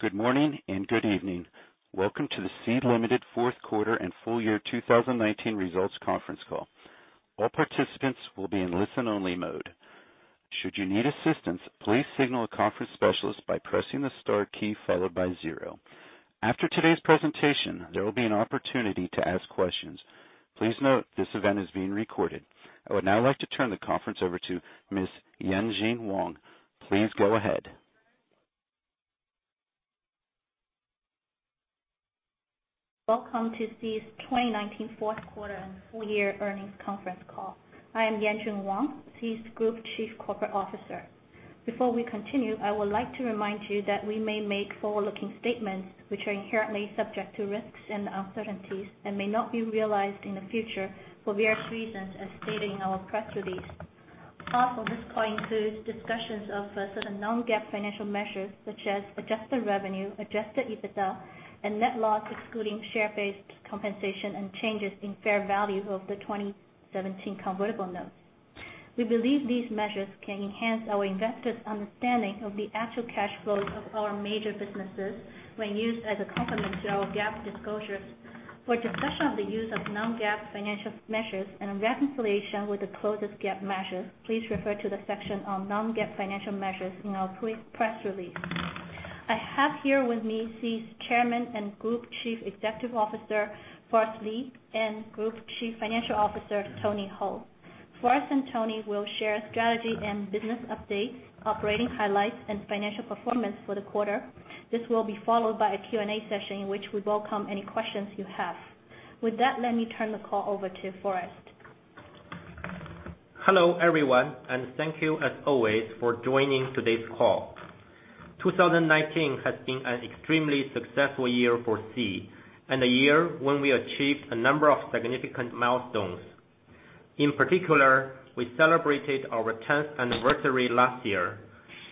Good morning and good evening. Welcome to the Sea Limited Fourth Quarter and Full Year 2019 Results Conference Call. All participants will be in listen only mode. Should you need assistance, please signal a conference specialist by pressing the star key followed by zero. After today's presentation, there will be an opportunity to ask questions. Please note this event is being recorded. I would now like to turn the conference over to Ms. Yanjun Wang. Please go ahead. Welcome to Sea's 2019 fourth quarter and full year earnings conference call. I am Yanjun Wang, Sea's Group Chief Corporate Officer. Before we continue, I would like to remind you that we may make forward-looking statements which are inherently subject to risks and uncertainties and may not be realized in the future for various reasons as stated in our press release. Also, this call includes discussions of certain non-GAAP financial measures such as adjusted revenue, adjusted EBITDA, and net loss, excluding share-based compensation and changes in fair value of the 2017 convertible notes. We believe these measures can enhance our investors' understanding of the actual cash flows of our major businesses when used as a complement to our GAAP disclosures. For a discussion of the use of non-GAAP financial measures and reconciliation with the closest GAAP measures, please refer to the section on non-GAAP financial measures in our press release. I have here with me Sea's Chairman and Group Chief Executive Officer, Forrest Li, and Group Chief Financial Officer, Tony Hou. Forrest and Tony will share strategy and business updates, operating highlights, and financial performance for the quarter. This will be followed by a Q&A session in which we welcome any questions you have. With that, let me turn the call over to Forrest. Hello, everyone. Thank you as always for joining today's call. 2019 has been an extremely successful year for Sea and a year when we achieved a number of significant milestones. In particular, we celebrated our 10th anniversary last year.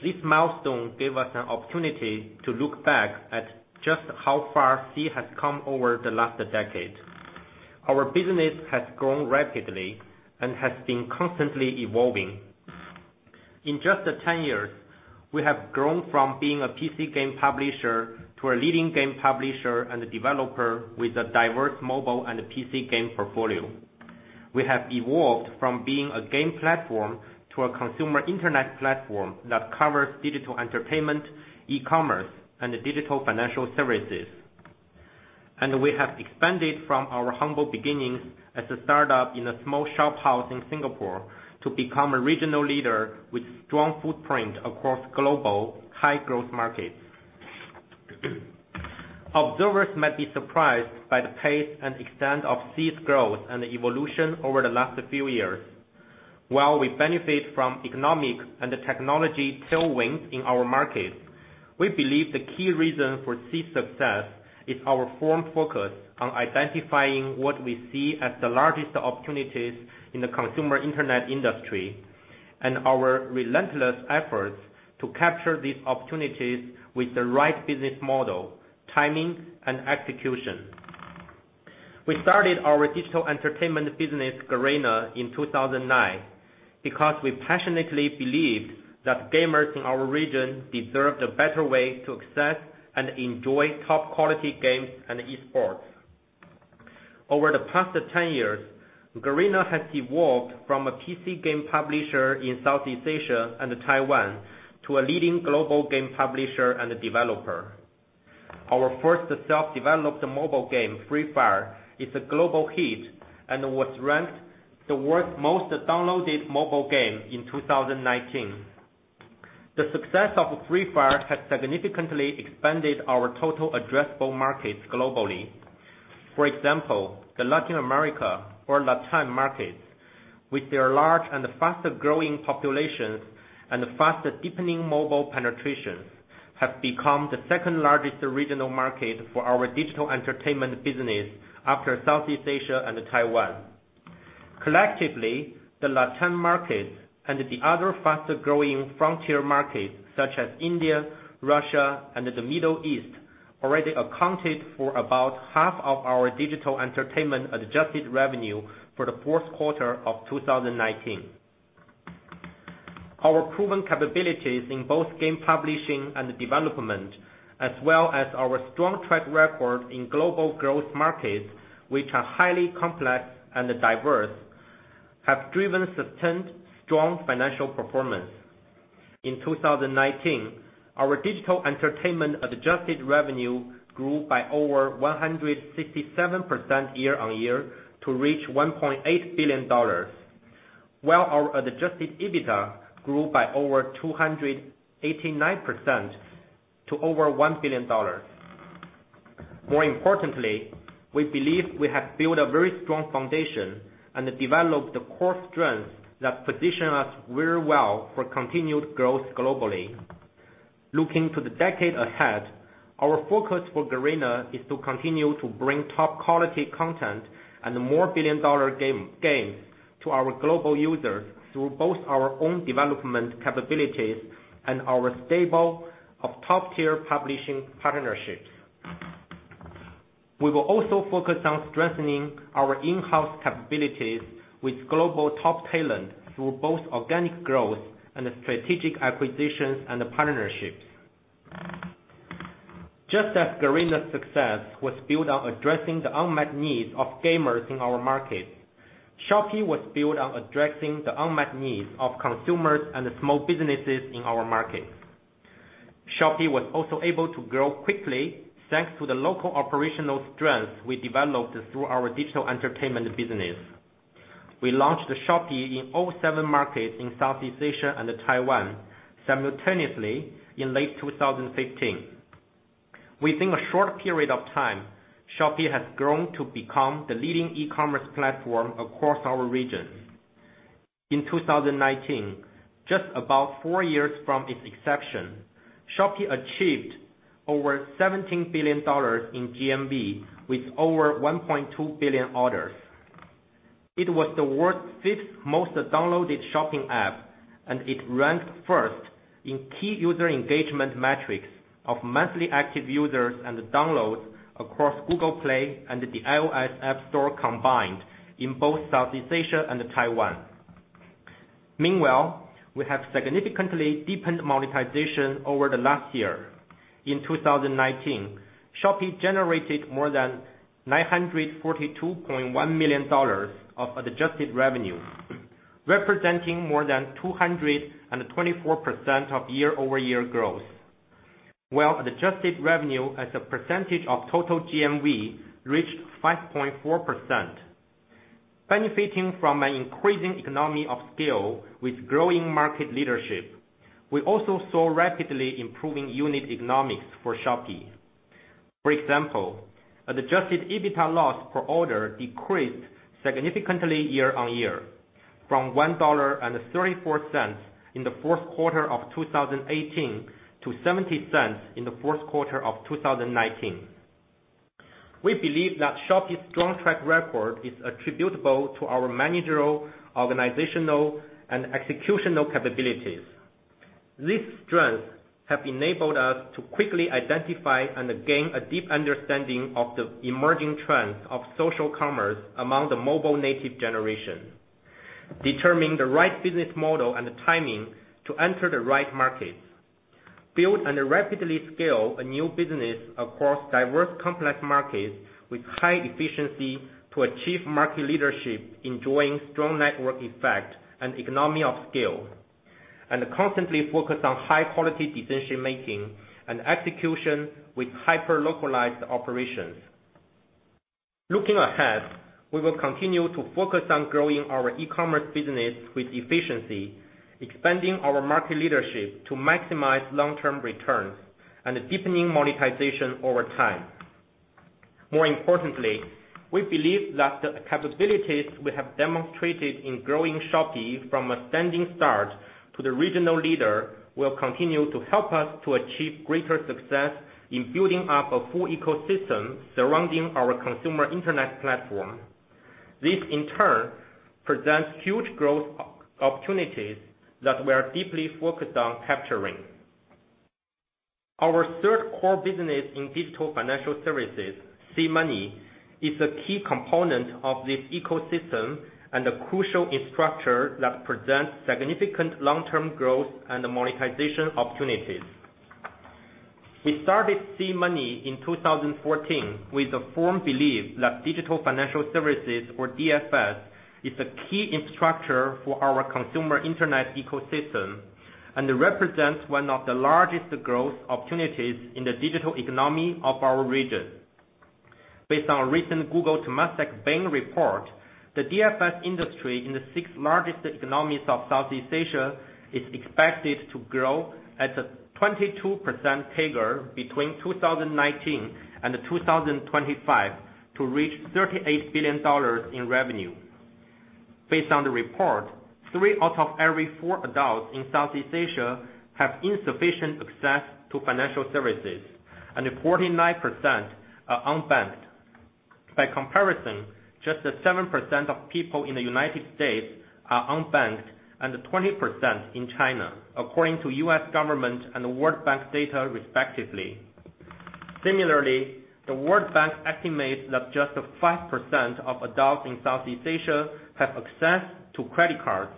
This milestone gave us an opportunity to look back at just how far Sea has come over the last decade. Our business has grown rapidly and has been constantly evolving. In just 10 years, we have grown from being a PC game publisher to a leading game publisher and a developer with a diverse mobile and PC game portfolio. We have evolved from being a game platform to a consumer internet platform that covers digital entertainment, e-commerce, and digital financial services. We have expanded from our humble beginnings as a startup in a small shop house in Singapore to become a regional leader with strong footprint across global high-growth markets. Observers might be surprised by the pace and extent of Sea's growth and evolution over the last few years. While we benefit from economic and technology tailwinds in our markets, we believe the key reason for Sea's success is our firm focus on identifying what we see as the largest opportunities in the consumer internet industry and our relentless efforts to capture these opportunities with the right business model, timing, and execution. We started our digital entertainment business, Garena, in 2009 because we passionately believed that gamers in our region deserved a better way to access and enjoy top-quality games and esports. Over the past 10 years, Garena has evolved from a PC game publisher in Southeast Asia and Taiwan to a leading global game publisher and developer. Our first self-developed mobile game, Free Fire, is a global hit and was ranked the world's most downloaded mobile game in 2019. The success of Free Fire has significantly expanded our total addressable markets globally. For example, the Latin America or LATAM markets, with their large and fast-growing populations and fast-deepening mobile penetration, have become the second-largest regional market for our digital entertainment business after Southeast Asia and Taiwan. Collectively, the LATAM markets and the other faster-growing frontier markets such as India, Russia, and the Middle East already accounted for about half of our digital entertainment adjusted revenue for the fourth quarter of 2019. Our proven capabilities in both game publishing and development, as well as our strong track record in global growth markets, which are highly complex and diverse, have driven sustained strong financial performance. In 2019, our digital entertainment adjusted revenue grew by over 167% year-on-year to reach $1.8 billion, while our adjusted EBITDA grew by over 289% to over $1 billion. More importantly, we believe we have built a very strong foundation and developed the core strengths that position us very well for continued growth globally. Looking to the decade ahead, our focus for Garena is to continue to bring top-quality content and more billion-dollar games to our global users through both our own development capabilities and our stable of top-tier publishing partnerships. We will also focus on strengthening our in-house capabilities with global top talent through both organic growth and strategic acquisitions and partnerships. Just as Garena's success was built on addressing the unmet needs of gamers in our market, Shopee was built on addressing the unmet needs of consumers and small businesses in our markets. Shopee was also able to grow quickly thanks to the local operational strength we developed through our digital entertainment business. We launched Shopee in all seven markets in Southeast Asia and Taiwan simultaneously in late 2015. Within a short period of time, Shopee has grown to become the leading e-commerce platform across our region. In 2019, just about four years from its inception, Shopee achieved over $17 billion in GMV, with over 1.2 billion orders. It was the world's fifth most downloaded shopping app, and it ranked first in key user engagement metrics of monthly active users and downloads across Google Play and the iOS App Store combined in both Southeast Asia and Taiwan. Meanwhile, we have significantly deepened monetization over the last year. In 2019, Shopee generated more than $942.1 million of adjusted revenue, representing more than 224% of year-over-year growth, while adjusted revenue as a percentage of total GMV reached 5.4%. Benefiting from an increasing economy of scale with growing market leadership, we also saw rapidly improving unit economics for Shopee. For example, adjusted EBITDA loss per order decreased significantly year-on-year from $1.34 in the fourth quarter of 2018 to $0.70 in the fourth quarter of 2019. We believe that Shopee's strong track record is attributable to our managerial, organizational, and executional capabilities. These strengths have enabled us to quickly identify and gain a deep understanding of the emerging trends of social commerce among the mobile-native generation, determine the right business model and the timing to enter the right markets, build and rapidly scale a new business across diverse complex markets with high efficiency to achieve market leadership, enjoying strong network effect and economy of scale, and constantly focus on high-quality decision-making and execution with hyper-localized operations. Looking ahead, we will continue to focus on growing our e-commerce business with efficiency, expanding our market leadership to maximize long-term returns, and deepening monetization over time. More importantly, we believe that the capabilities we have demonstrated in growing Shopee from a standing start to the regional leader will continue to help us to achieve greater success in building up a full ecosystem surrounding our consumer internet platform. This, in turn, presents huge growth opportunities that we are deeply focused on capturing. Our third core business in digital financial services, SeaMoney, is a key component of this ecosystem and a crucial infrastructure that presents significant long-term growth and monetization opportunities. We started SeaMoney in 2014 with a firm belief that digital financial services, or DFS, is a key infrastructure for our consumer internet ecosystem and represents one of the largest growth opportunities in the digital economy of our region. Based on a recent Google-Temasek-Bain report, the DFS industry in the six largest economies of Southeast Asia is expected to grow at a 22% CAGR between 2019 and 2025 to reach $38 billion in revenue. Based on the report, three out of every four adults in Southeast Asia have insufficient access to financial services, and 49% are unbanked. By comparison, just 7% of people in the United States are unbanked, and 20% in China, according to US government and World Bank data respectively. Similarly, the World Bank estimates that just 5% of adults in Southeast Asia have access to credit cards,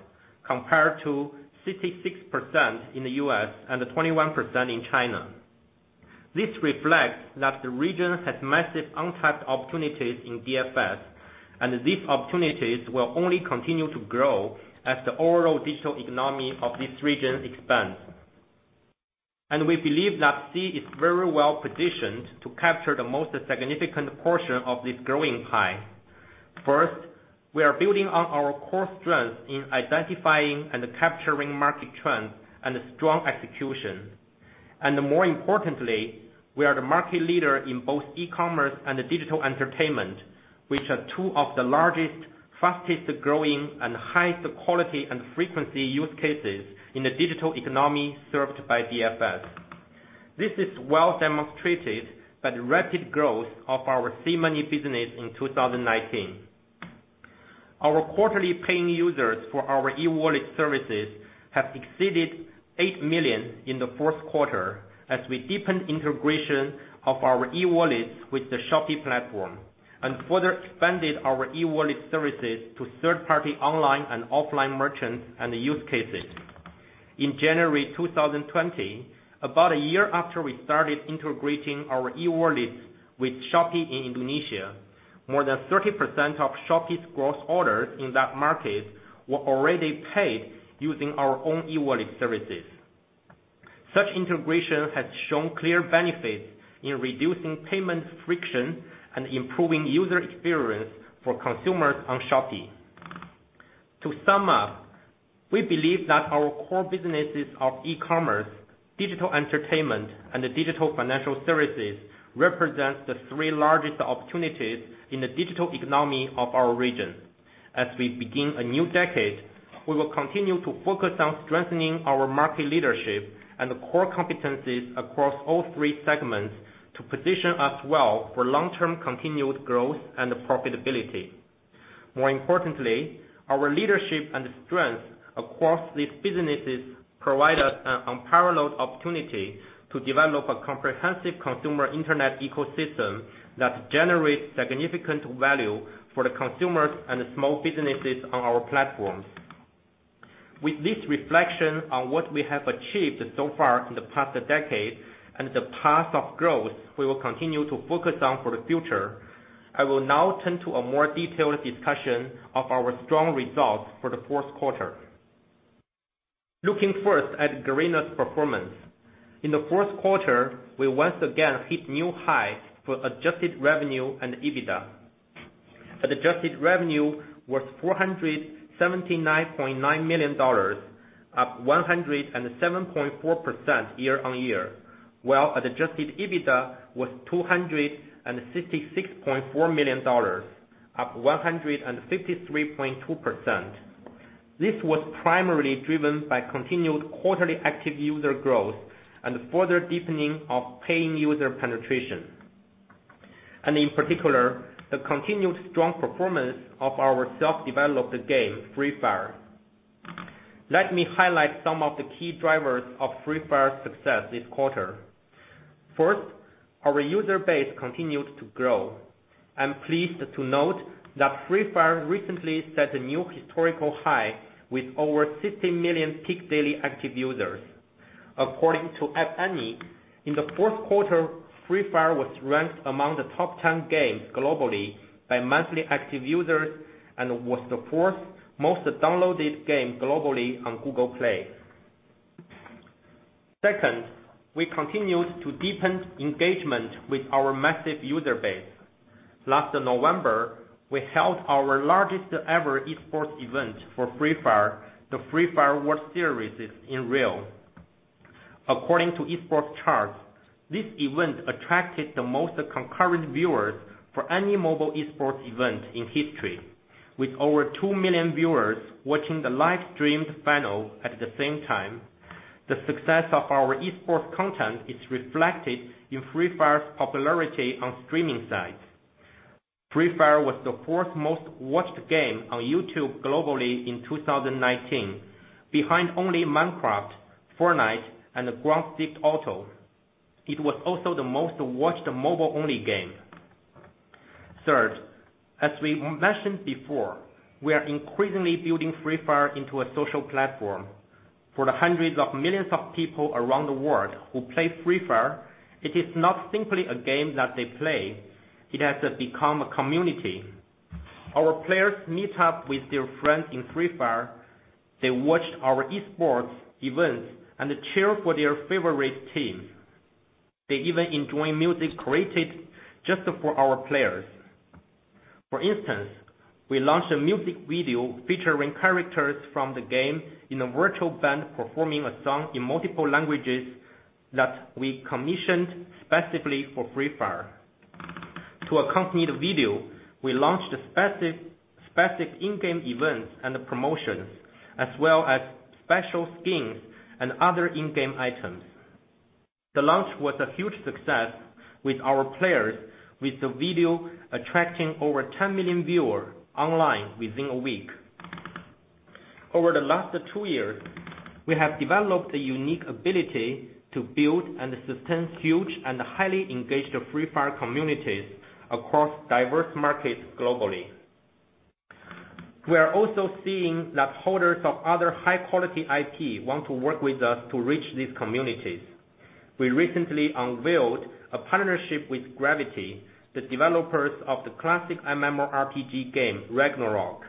compared to 66% in the US and 21% in China. This reflects that the region has massive untapped opportunities in DFS, and these opportunities will only continue to grow as the overall digital economy of this region expands. We believe that Sea is very well positioned to capture the most significant portion of this growing pie. First, we are building on our core strengths in identifying and capturing market trends and strong execution. More importantly, we are the market leader in both e-commerce and digital entertainment, which are two of the largest, fastest-growing, and highest quality and frequency use cases in the digital economy served by DFS. This is well demonstrated by the rapid growth of our SeaMoney business in 2019. Our quarterly paying users for our e-wallet services have exceeded 8 million in the fourth quarter, as we deepened integration of our e-wallets with the Shopee platform, and further expanded our e-wallet services to third-party online and offline merchants and use cases. In January 2020, about a year after we started integrating our e-wallets with Shopee in Indonesia, more than 30% of Shopee's gross orders in that market were already paid using our own e-wallet services. Such integration has shown clear benefits in reducing payment friction and improving user experience for consumers on Shopee. To sum up, we believe that our core businesses of e-commerce, digital entertainment, and the digital financial services represent the three largest opportunities in the digital economy of our region. As we begin a new decade, we will continue to focus on strengthening our market leadership and the core competencies across all three segments to position us well for long-term continued growth and profitability. More importantly, our leadership and strength across these businesses provide us an unparalleled opportunity to develop a comprehensive consumer internet ecosystem that generates significant value for the consumers and the small businesses on our platforms. With this reflection on what we have achieved so far in the past decade, and the path of growth we will continue to focus on for the future, I will now turn to a more detailed discussion of our strong results for the fourth quarter. Looking first at Garena's performance. In the fourth quarter, we once again hit new high for adjusted revenue and EBITDA. Adjusted revenue was $479.9 million, up 107.4% year-on-year, while adjusted EBITDA was $266.4 million, up 153.2%. This was primarily driven by continued quarterly active user growth and further deepening of paying user penetration. In particular, the continued strong performance of our self-developed game, Free Fire. Let me highlight some of the key drivers of Free Fire's success this quarter. First, our user base continued to grow. I'm pleased to note that Free Fire recently set a new historical high with over 60 million peak daily active users. According to App Annie, in the fourth quarter, Free Fire was ranked among the top 10 games globally by monthly active users, and was the fourth most downloaded game globally on Google Play. Second, we continued to deepen engagement with our massive user base. Last November, we held our largest-ever esports event for Free Fire, the Free Fire World Series in Rio. According to Esports Charts, this event attracted the most concurrent viewers for any mobile esports event in history, with over 2 million viewers watching the live-streamed final at the same time. The success of our esports content is reflected in Free Fire's popularity on streaming sites. Free Fire was the fourth most watched game on YouTube globally in 2019, behind only Minecraft, Fortnite, and Grand Theft Auto. It was also the most watched mobile-only game. Third, as we mentioned before, we are increasingly building Free Fire into a social platform. For the hundreds of millions of people around the world who play Free Fire, it is not simply a game that they play, it has become a community. Our players meet up with their friends in Free Fire, they watch our esports events, and they cheer for their favorite teams. They even enjoy music created just for our players. For instance, we launched a music video featuring characters from the game in a virtual band performing a song in multiple languages that we commissioned specifically for Free Fire. To accompany the video, we launched specific in-game events and promotions, as well as special skins and other in-game items. The launch was a huge success with our players, with the video attracting over 10 million viewers online within a week. Over the last two years, we have developed a unique ability to build and sustain huge and highly engaged Free Fire communities across diverse markets globally. We are also seeing that holders of other high-quality IP want to work with us to reach these communities. We recently unveiled a partnership with Gravity, the developers of the classic MMORPG game, Ragnarok,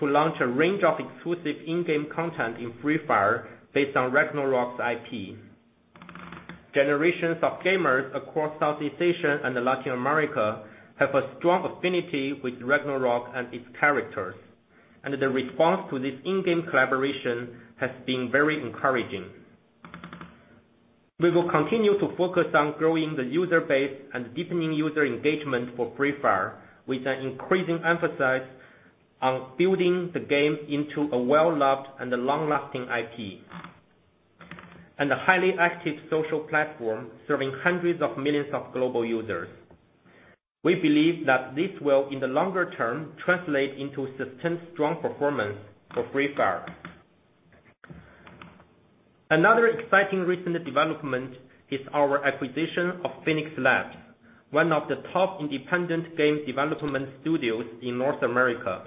to launch a range of exclusive in-game content in Free Fire based on Ragnarok's IP. Generations of gamers across Southeast Asia and Latin America have a strong affinity with Ragnarok and its characters, the response to this in-game collaboration has been very encouraging. We will continue to focus on growing the user base and deepening user engagement for Free Fire, with an increasing emphasis on building the game into a well-loved and long-lasting IP, and a highly active social platform serving hundreds of millions of global users. We believe that this will, in the longer term, translate into sustained strong performance for Free Fire. Another exciting recent development is our acquisition of Phoenix Labs, one of the top independent game development studios in North America.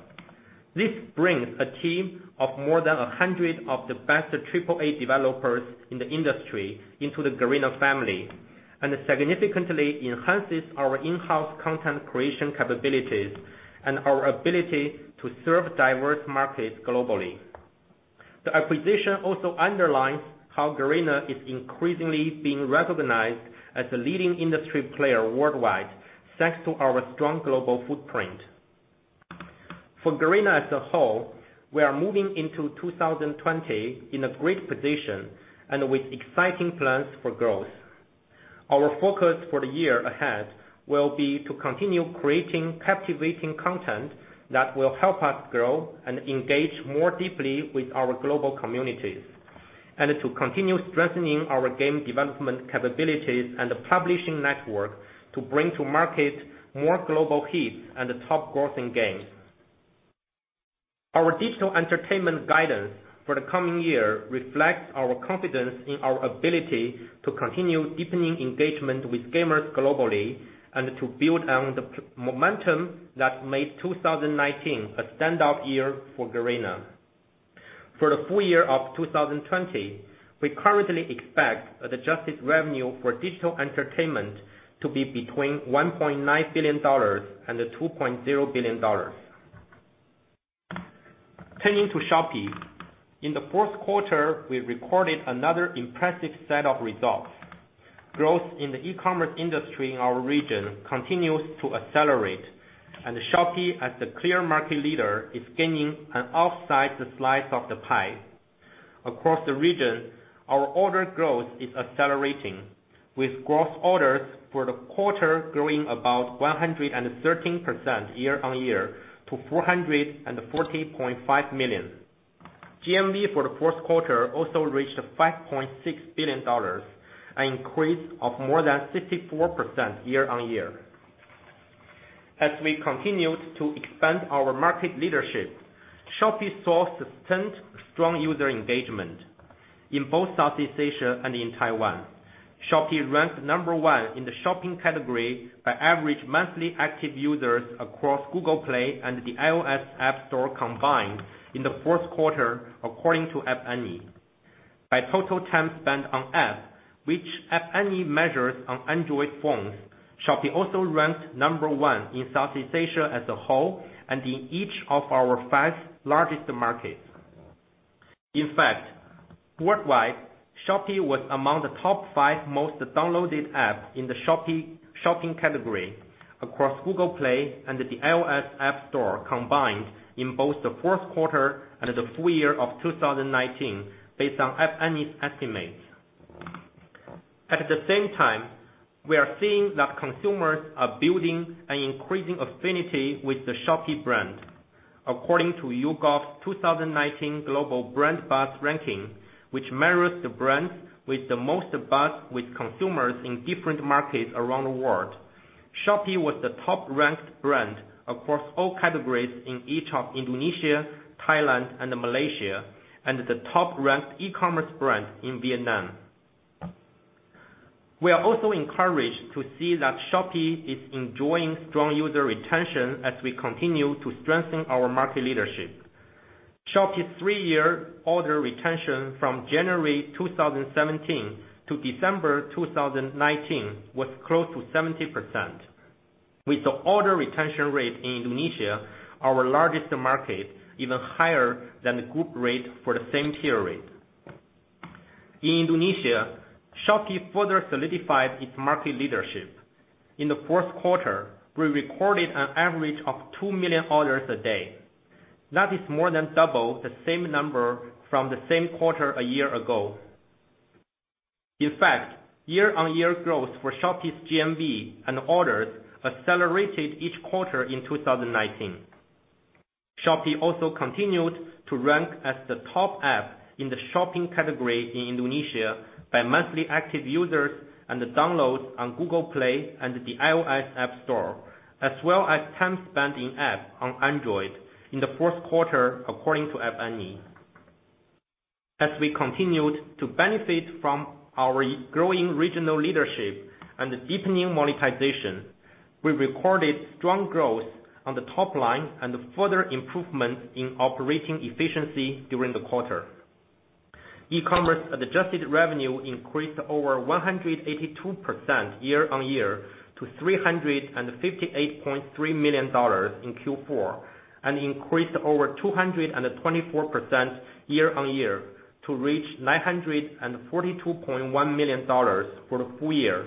This brings a team of more than 100 of the best AAA developers in the industry into the Garena family, and significantly enhances our in-house content creation capabilities and our ability to serve diverse markets globally. The acquisition also underlines how Garena is increasingly being recognized as a leading industry player worldwide, thanks to our strong global footprint. For Garena as a whole, we are moving into 2020 in a great position and with exciting plans for growth. Our focus for the year ahead will be to continue creating captivating content that will help us grow and engage more deeply with our global communities, and to continue strengthening our game development capabilities and the publishing network to bring to market more global hits and top-grossing games. Our digital entertainment guidance for the coming year reflects our confidence in our ability to continue deepening engagement with gamers globally and to build on the momentum that made 2019 a standout year for Garena. For the full year of 2020, we currently expect adjusted revenue for digital entertainment to be between $1.9 billion and $2.0 billion. Turning to Shopee. In the fourth quarter, we recorded another impressive set of results. Growth in the e-commerce industry in our region continues to accelerate. Shopee, as the clear market leader, is gaining an outsized slice of the pie. Across the region, our order growth is accelerating, with gross orders for the quarter growing about 113% year-on-year to 440.5 million. GMV for the fourth quarter also reached $5.6 billion, an increase of more than 64% year-on-year. As we continued to expand our market leadership, Shopee saw sustained strong user engagement in both Southeast Asia and in Taiwan. Shopee ranked number one in the shopping category by average monthly active users across Google Play and the iOS App Store combined in the fourth quarter, according to App Annie. By total time spent on app, which App Annie measures on Android phones, Shopee also ranked number one in Southeast Asia as a whole and in each of our five largest markets. In fact, worldwide, Shopee was among the top five most downloaded app in the shopping category across Google Play and the iOS App Store combined in both the fourth quarter and the full year of 2019, based on App Annie's estimates. At the same time, we are seeing that consumers are building an increasing affinity with the Shopee brand. According to YouGov's 2019 Global Brand Buzz Ranking, which measures the brands with the most buzz with consumers in different markets around the world, Shopee was the top-ranked brand across all categories in each of Indonesia, Thailand, and Malaysia, and the top-ranked e-commerce brand in Vietnam. We are also encouraged to see that Shopee is enjoying strong user retention as we continue to strengthen our market leadership. Shopee's three-year order retention from January 2017 to December 2019 was close to 70%, with the order retention rate in Indonesia, our largest market, even higher than the group rate for the same period. In Indonesia, Shopee further solidified its market leadership. In the fourth quarter, we recorded an average of 2 million orders a day. That is more than double the same number from the same quarter a year ago. In fact, year-on-year growth for Shopee's GMV and orders accelerated each quarter in 2019. Shopee also continued to rank as the top app in the shopping category in Indonesia by monthly active users and downloads on Google Play and the iOS App Store, as well as time spent in app on Android in the first quarter, according to App Annie. As we continued to benefit from our growing regional leadership and deepening monetization, we recorded strong growth on the top line and further improvements in operating efficiency during the quarter. E-commerce adjusted revenue increased over 182% year-on-year to $358.3 million in Q4, and increased over 224% year-on-year to reach $942.1 million for the full year,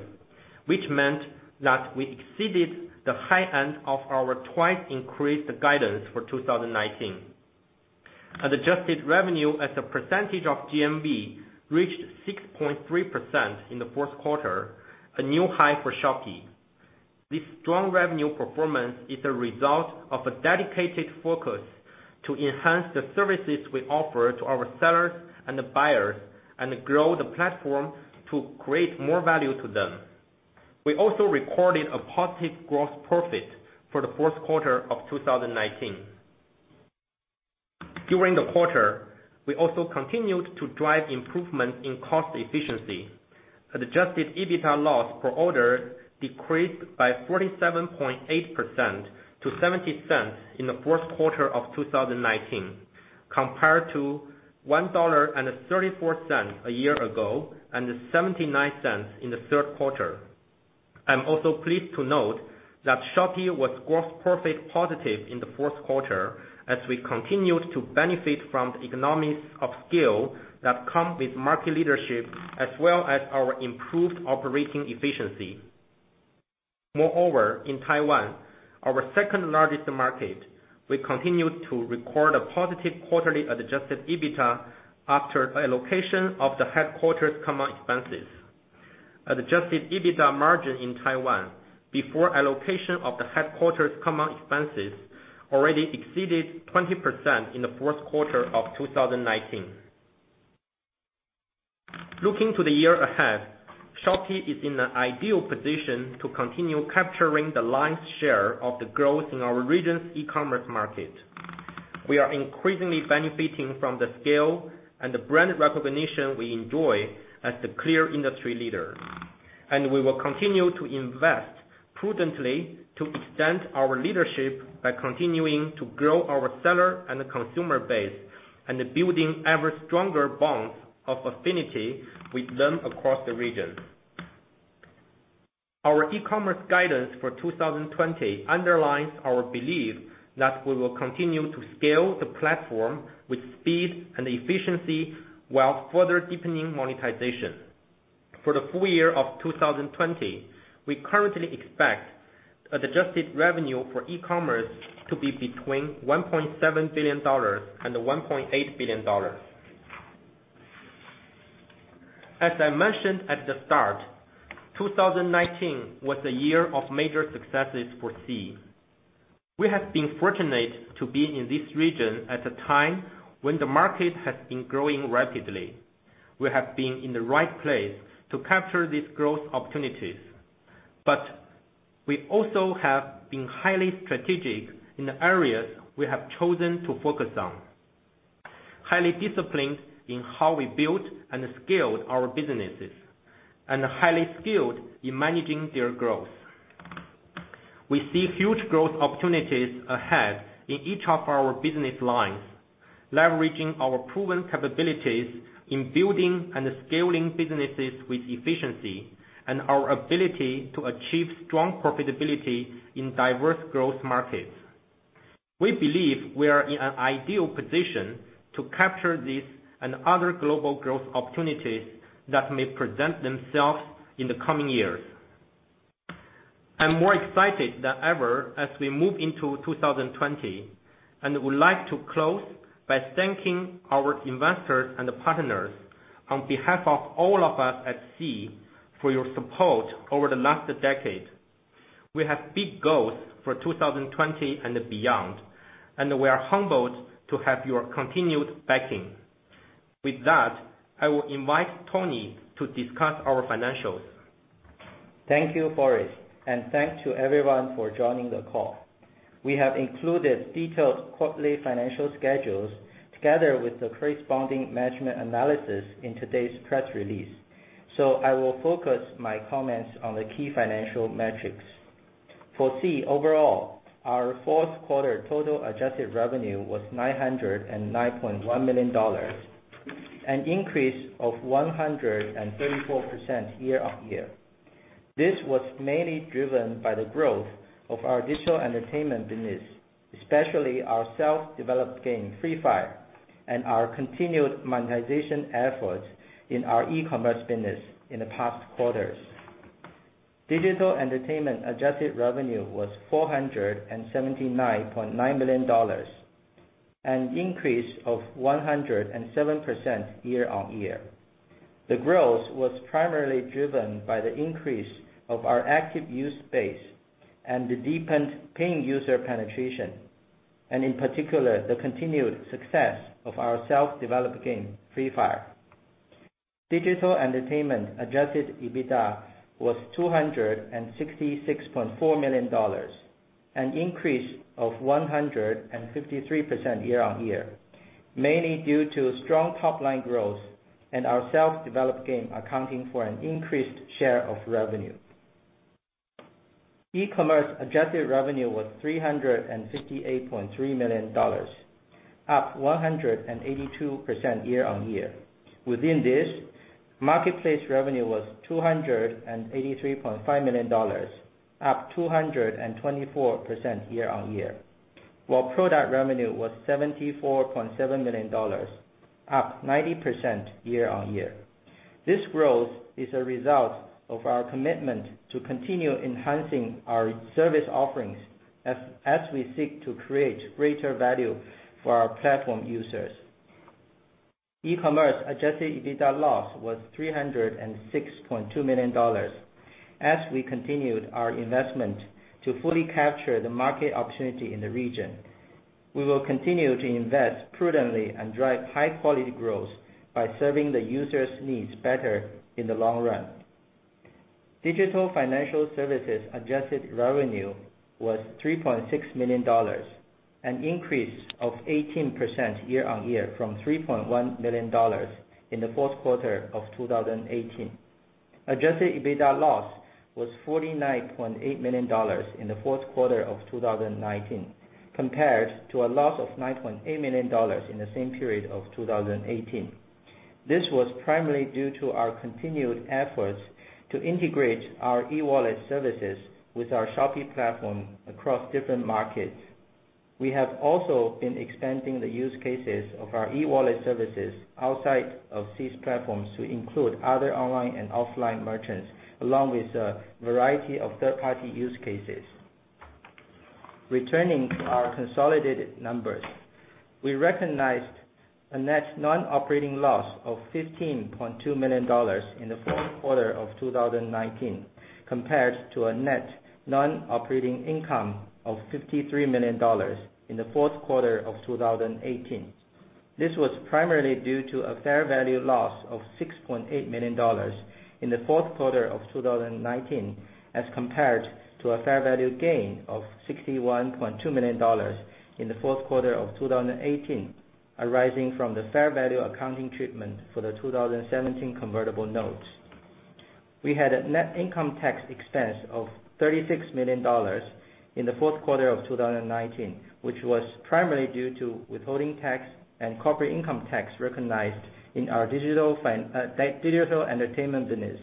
which meant that we exceeded the high end of our twice-increased guidance for 2019. Adjusted revenue as a percentage of GMV reached 6.3% in the fourth quarter, a new high for Shopee. This strong revenue performance is a result of a dedicated focus to enhance the services we offer to our sellers and the buyers, and grow the platform to create more value to them. We also recorded a positive gross profit for the fourth quarter of 2019. During the quarter, we also continued to drive improvement in cost efficiency. Adjusted EBITDA loss per order decreased by 47.8% to $0.70 in the fourth quarter of 2019, compared to $1.34 a year ago, and $0.79 in the third quarter. I'm also pleased to note that Shopee was gross profit positive in the fourth quarter as we continued to benefit from the economics of scale that come with market leadership, as well as our improved operating efficiency. Moreover, in Taiwan, our second-largest market, we continued to record a positive quarterly adjusted EBITDA after allocation of the headquarters' common expenses. Adjusted EBITDA margin in Taiwan, before allocation of the headquarters' common expenses, already exceeded 20% in the fourth quarter of 2019. Looking to the year ahead, Shopee is in an ideal position to continue capturing the lion's share of the growth in our region's e-commerce market. We are increasingly benefiting from the scale and the brand recognition we enjoy as the clear industry leader. We will continue to invest prudently to extend our leadership by continuing to grow our seller and consumer base, and building ever stronger bonds of affinity with them across the region. Our e-commerce guidance for 2020 underlines our belief that we will continue to scale the platform with speed and efficiency, while further deepening monetization. For the full year of 2020, we currently expect adjusted revenue for e-commerce to be between $1.7 billion and $1.8 billion. As I mentioned at the start, 2019 was a year of major successes for Sea. We have been fortunate to be in this region at a time when the market has been growing rapidly. We have been in the right place to capture these growth opportunities. We also have been highly strategic in the areas we have chosen to focus on, highly disciplined in how we built and scaled our businesses, and highly skilled in managing their growth. We see huge growth opportunities ahead in each of our business lines, leveraging our proven capabilities in building and scaling businesses with efficiency, and our ability to achieve strong profitability in diverse growth markets. We believe we are in an ideal position to capture these and other global growth opportunities that may present themselves in the coming years. I'm more excited than ever as we move into 2020, and would like to close by thanking our investors and partners on behalf of all of us at Sea, for your support over the last decade. We have big goals for 2020 and beyond, and we are humbled to have your continued backing. With that, I will invite Tony to discuss our financials. Thank you, Forrest, and thanks to everyone for joining the call. We have included detailed quarterly financial schedules together with the corresponding management analysis in today's press release. I will focus my comments on the key financial metrics. For Sea overall, our fourth quarter total adjusted revenue was $909.1 million, an increase of 134% year-on-year. This was mainly driven by the growth of our digital entertainment business, especially our self-developed game, Free Fire, and our continued monetization efforts in our e-commerce business in the past quarters. Digital entertainment adjusted revenue was $479.9 million, an increase of 107% year-on-year. The growth was primarily driven by the increase of our active user base and the deepened paying user penetration, and in particular, the continued success of our self-developed game, Free Fire. Digital entertainment adjusted EBITDA was $266.4 million, an increase of 153% year-on-year, mainly due to strong top-line growth and our self-developed game accounting for an increased share of revenue. E-commerce adjusted revenue was $358.3 million, up 182% year-on-year. Within this, marketplace revenue was $283.5 million, up 224% year-on-year, while product revenue was $74.7 million, up 90% year-on-year. This growth is a result of our commitment to continue enhancing our service offerings as we seek to create greater value for our platform users. E-commerce adjusted EBITDA loss was $306.2 million. As we continued our investment to fully capture the market opportunity in the region. We will continue to invest prudently and drive high-quality growth by serving the users' needs better in the long run. Digital financial services adjusted revenue was $3.6 million, an increase of 18% year-on-year from $3.1 million in the fourth quarter of 2018. Adjusted EBITDA loss was $49.8 million in the fourth quarter of 2019, compared to a loss of $9.8 million in the same period of 2018. This was primarily due to our continued efforts to integrate our e-wallet services with our Shopee platform across different markets. We have also been expanding the use cases of our e-wallet services outside of these platforms to include other online and offline merchants, along with a variety of third-party use cases. Returning to our consolidated numbers, we recognized a net non-operating loss of $15.2 million in the fourth quarter of 2019, compared to a net non-operating income of $53 million in the fourth quarter of 2018. This was primarily due to a fair value loss of $6.8 million in the fourth quarter of 2019, as compared to a fair value gain of $61.2 million in the fourth quarter of 2018, arising from the fair value accounting treatment for the 2017 convertible notes. We had a net income tax expense of $36 million in the fourth quarter of 2019, which was primarily due to withholding tax and corporate income tax recognized in our digital entertainment business.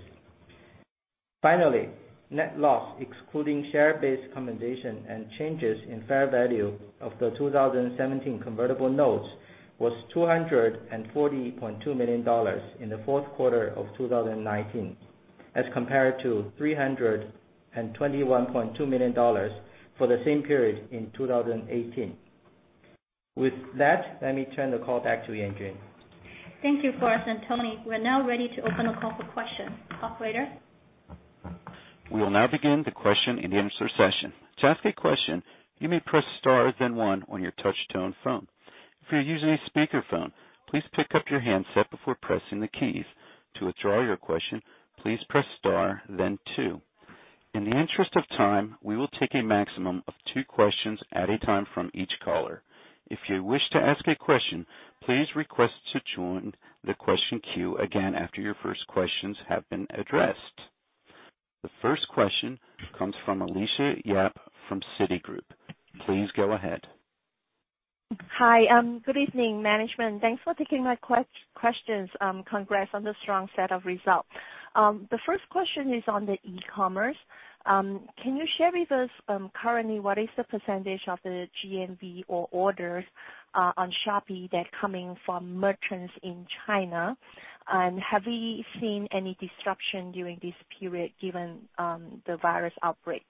Finally, net loss excluding share-based compensation and changes in fair value of the 2017 convertible notes was $240.2 million in the fourth quarter of 2019, as compared to $321.2 million for the same period in 2018. With that, let me turn the call back to Yanjun. Thank you, Forrest and Tony. We're now ready to open a call for questions. Operator? The first question comes from Alicia Yap from Citigroup. Please go ahead. Hi. Good evening, management. Thanks for taking my questions. Congrats on the strong set of results. The first question is on the e-commerce. Can you share with us currently what is the percentage of the GMV or orders on Shopee that are coming from merchants in China? Have you seen any disruption during this period given the virus outbreak?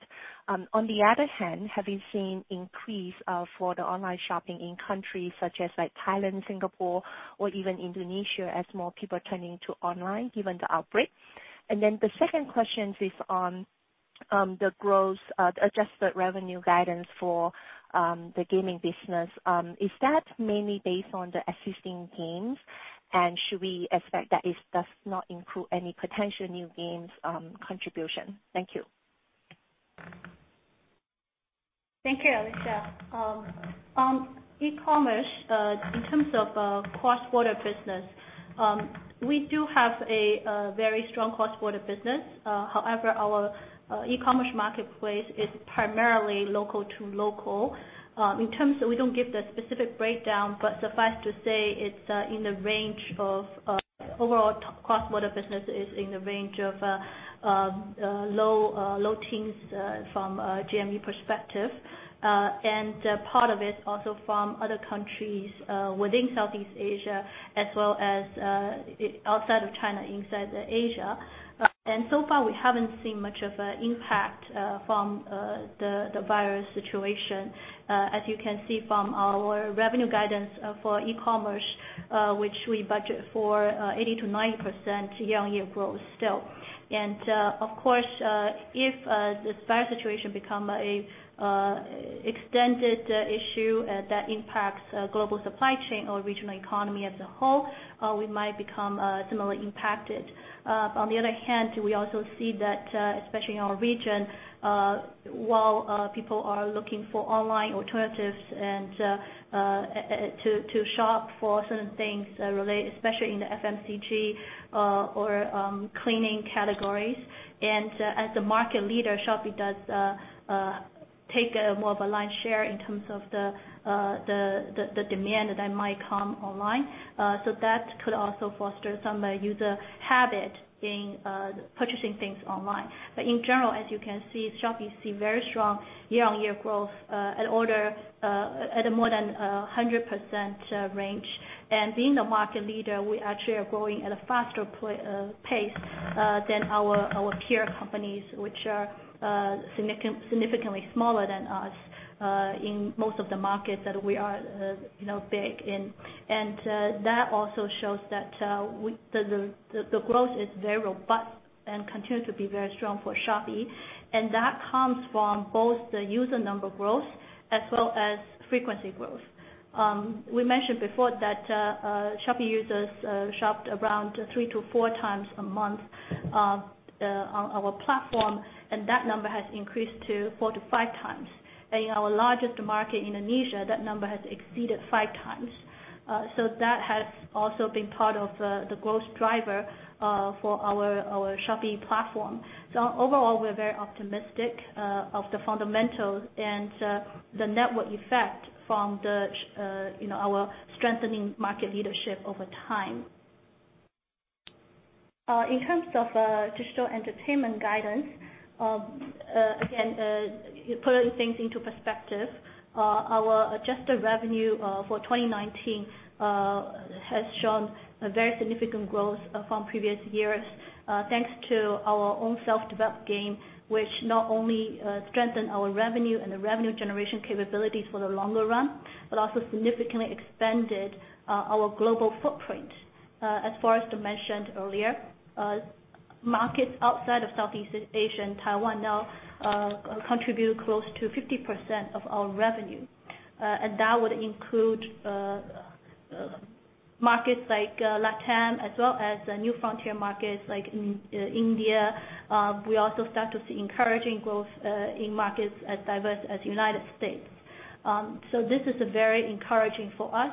On the other hand, have you seen increase for the online shopping in countries such as Thailand, Singapore, or even Indonesia as more people are turning to online given the outbreak? The second question is on the growth adjusted revenue guidance for the gaming business. Is that mainly based on the existing games? Should we expect that it does not include any potential new games contribution? Thank you. Thank you, Alicia. On e-commerce, in terms of cross-border business, we do have a very strong cross-border business. However, our e-commerce marketplace is primarily local to local. In terms of, we don't give the specific breakdown, but suffice to say, overall cross-border business is in the range of low teens from a GMV perspective. Part of it also from other countries within Southeast Asia as well as outside of China, inside Asia. So far, we haven't seen much of an impact from the virus situation. As you can see from our revenue guidance for e-commerce, which we budget for 80%-90% year-on-year growth still. Of course, if this virus situation become an extended issue that impacts global supply chain or regional economy as a whole, we might become similarly impacted. We also see that, especially in our region, while people are looking for online alternatives and to shop for certain things, especially in the FMCG or cleaning categories. As the market leader, Shopee does take more of a lion's share in terms of the demand that might come online. That could also foster some user habit in purchasing things online. In general, as you can see, Shopee see very strong year-on-year growth at more than 100% range. Being the market leader, we actually are growing at a faster pace than our peer companies, which are significantly smaller than us in most of the markets that we are big in. That also shows that the growth is very robust and continues to be very strong for Shopee, and that comes from both the user number growth as well as frequency growth. We mentioned before that Shopee users shopped around 3x - 4x a month on our platform, and that number has increased to 4x - 5x. In our largest market, Indonesia, that number has exceeded 5x. That has also been part of the growth driver for our Shopee platform. Overall, we're very optimistic of the fundamentals and the network effect from our strengthening market leadership over time. In terms of digital entertainment guidance, again, putting things into perspective, our adjusted revenue for 2019 has shown a very significant growth from previous years, thanks to our own self-developed game, which not only strengthened our revenue and the revenue generation capabilities for the longer run, but also significantly expanded our global footprint. As Forrest mentioned earlier, markets outside of Southeast Asia and Taiwan now contribute close to 50% of our revenue. That would include markets like LATAM as well as new frontier markets like India. We also start to see encouraging growth in markets as diverse as the United States. This is very encouraging for us.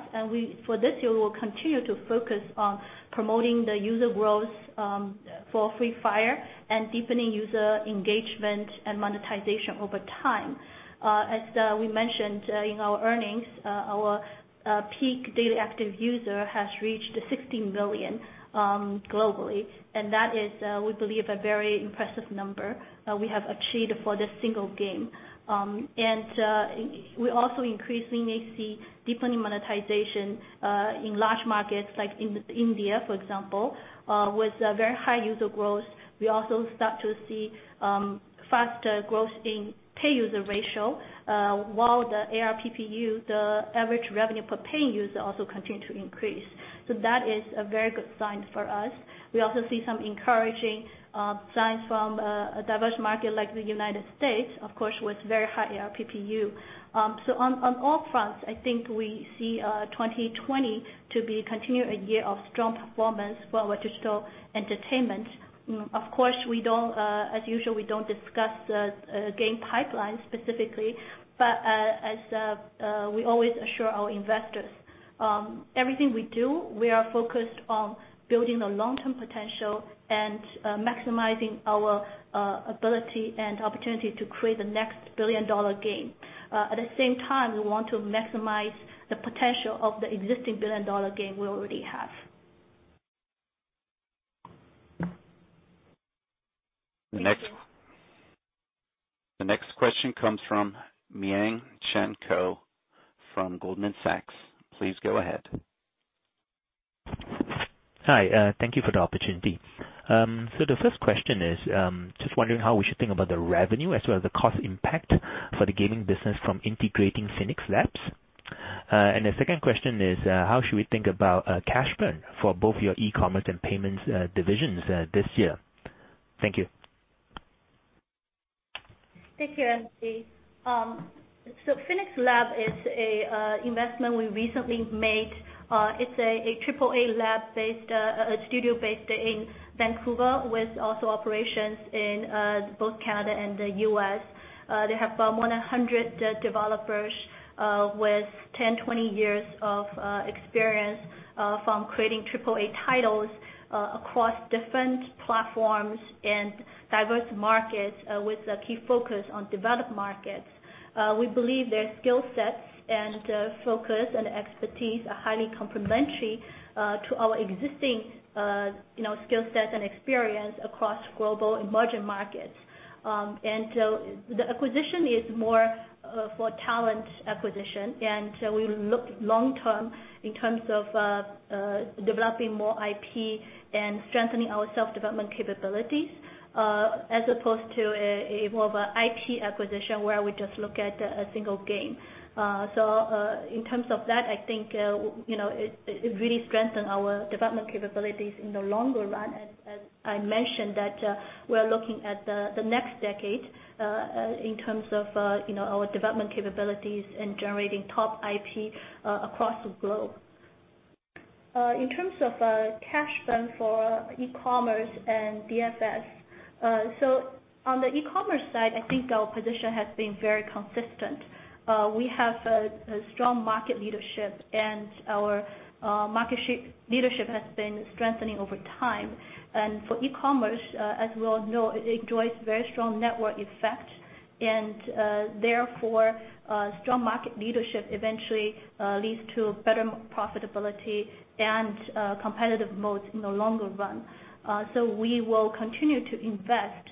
For this year, we will continue to focus on promoting the user growth for Free Fire and deepening user engagement and monetization over time. As we mentioned in our earnings, our peak daily active user has reached 60 million globally, that is, we believe, a very impressive number we have achieved for this single game. We also increasingly see deepening monetization in large markets like India, for example, with very high user growth. We also start to see faster growth in pay user ratio, while the ARPPU, the average revenue per paying user, also continue to increase. That is a very good sign for us. We also see some encouraging signs from a diverse market like the U.S., of course, with very high ARPPU. On all fronts, I think we see 2020 to continue to be a year of strong performance for our digital entertainment. Of course, as usual, we don't discuss game pipelines specifically, but as we always assure our investors, everything we do, we are focused on building the long-term potential and maximizing our ability and opportunity to create the next billion-dollar game. At the same time, we want to maximize the potential of the existing billion-dollar game we already have. The next question comes from Miang Chuen Koh from Goldman Sachs. Please go ahead. Hi. Thank you for the opportunity. The first question is, just wondering how we should think about the revenue as well as the cost impact for the gaming business from integrating Phoenix Labs. The second question is, how should we think about cash burn for both your e-commerce and payments divisions this year? Thank you. Thank you. Phoenix Labs is an investment we recently made. It's a AAA studio based in Vancouver with also operations in both Canada and the U.S. They have more than 100 developers with 10, 20 years of experience from creating AAA titles across different platforms and diverse markets with a key focus on developed markets. We believe their skill sets and focus and expertise are highly complementary to our existing skill sets and experience across global emerging markets. The acquisition is more for talent acquisition, and we look long-term in terms of developing more IP and strengthening our self-development capabilities as opposed to more of an IP acquisition where we just look at a single game. In terms of that, I think it really strengthened our development capabilities in the longer run, as I mentioned that we're looking at the next decade in terms of our development capabilities and generating top IP across the globe. In terms of cash burn for e-commerce and DFS. On the e-commerce side, I think our position has been very consistent. We have a strong market leadership, and our market leadership has been strengthening over time. For e-commerce, as we all know, it enjoys very strong network effect, and therefore, strong market leadership eventually leads to better profitability and competitive mode in the longer run. We will continue to invest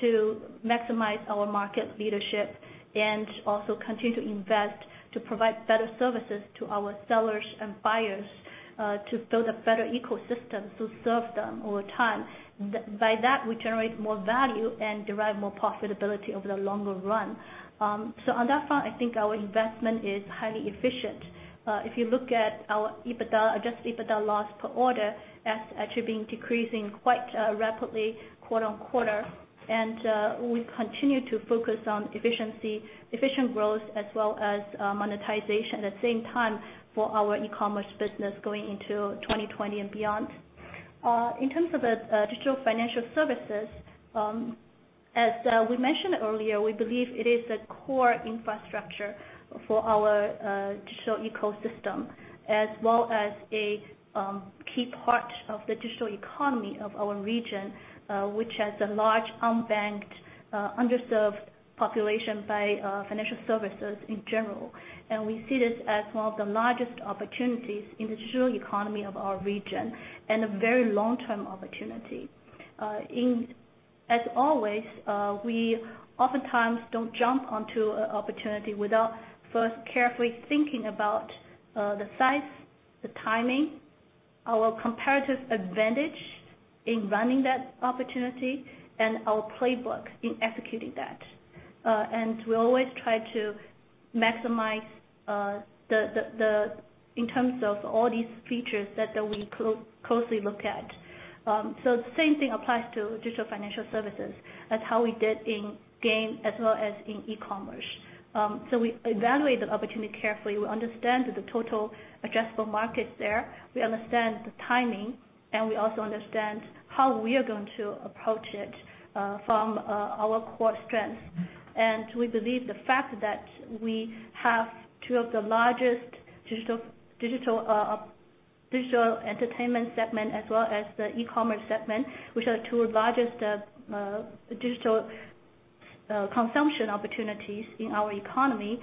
to maximize our market leadership and also continue to invest to provide better services to our sellers and buyers to build a better ecosystem to serve them over time. We generate more value and derive more profitability over the longer run. I think our investment is highly efficient. If you look at our adjusted EBITDA loss per order, that's actually been decreasing quite rapidly quarter-on-quarter, and we continue to focus on efficient growth as well as monetization at the same time for our e-commerce business going into 2020 and beyond. In terms of the digital financial services, as we mentioned earlier, we believe it is a core infrastructure for our digital ecosystem as well as a key part of the digital economy of our region, which has a large unbanked, underserved population by financial services in general. We see this as one of the largest opportunities in the digital economy of our region and a very long-term opportunity. As always, we oftentimes don't jump onto an opportunity without first carefully thinking about the size, the timing, our comparative advantage in running that opportunity, and our playbook in executing that. We always try to maximize in terms of all these features that we closely look at. The same thing applies to digital financial services as how we did in game as well as in e-commerce. We evaluate the opportunity carefully. We understand the total addressable market there, we understand the timing, and we also understand how we are going to approach it from our core strength. We believe the fact that we have two of the largest digital entertainment segment as well as the e-commerce segment, which are the two largest digital consumption opportunities in our economy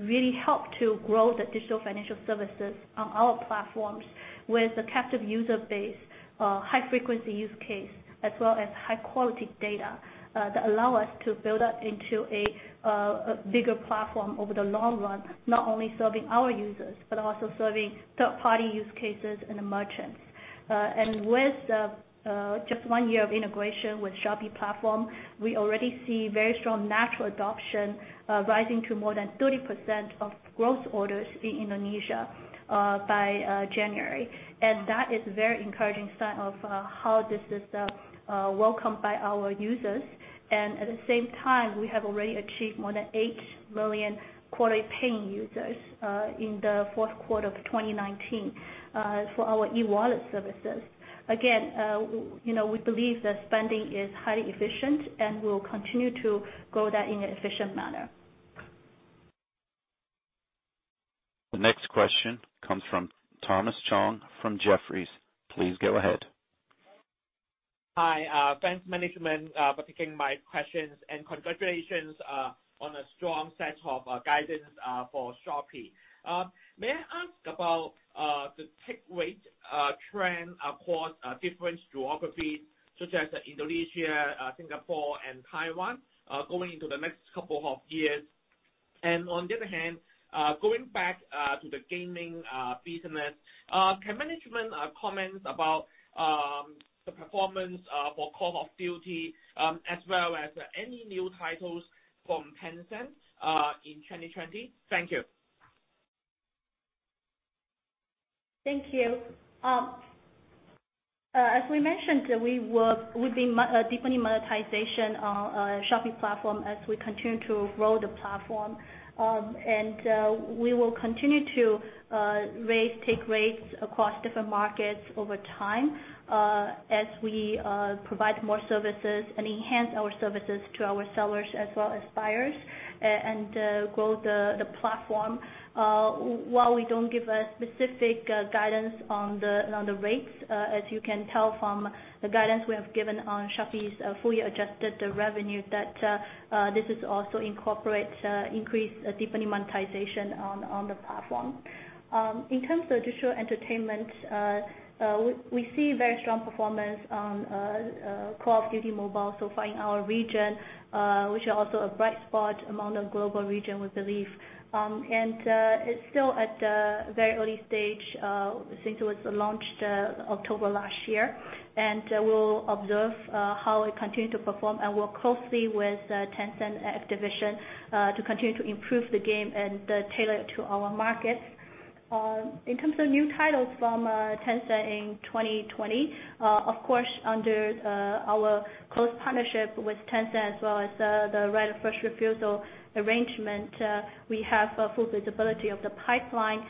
really help to grow the digital financial services on our platforms with the captive user base, high-frequency use case, as well as high-quality data that allow us to build that into a bigger platform over the long run, not only serving our users, but also serving third-party use cases and the merchants. With just one year of integration with Shopee platform, we already see very strong natural adoption, rising to more than 30% of growth orders in Indonesia by January. That is a very encouraging sign of how this is welcomed by our users. At the same time, we have already achieved more than eight million quarterly paying users in the fourth quarter of 2019 for our e-wallet services. We believe the spending is highly efficient, and we'll continue to grow that in an efficient manner. The next question comes from Thomas Chong from Jefferies. Please go ahead. Hi. Thanks, management, for taking my questions. Congratulations on a strong set of guidance for Shopee. May I ask about the take rate trend across different geographies such as Indonesia, Singapore, and Taiwan going into the next couple of years? On the other hand, going back to the gaming business, can management comment about the performance for Call of Duty as well as any new titles from Tencent in 2020?Thank you. Thank you. As we mentioned, we will be deepening monetization on Shopee platform as we continue to grow the platform. We will continue to take rates across different markets over time as we provide more services and enhance our services to our sellers as well as buyers and grow the platform. While we don't give a specific guidance on the rates, as you can tell from the guidance we have given on Shopee's fully adjusted revenue that this also incorporates increased deepening monetization on the platform. In terms of digital entertainment, we see very strong performance on Call of Duty: Mobile so far in our region, which are also a bright spot among the global region, we believe. It's still at the very early stage since it was launched October last year, and we'll observe how it continue to perform and work closely with Tencent, Activision to continue to improve the game and tailor it to our markets. In terms of new titles from Tencent in 2020, of course, under our close partnership with Tencent as well as the right of first refusal arrangement, we have full visibility of the pipeline.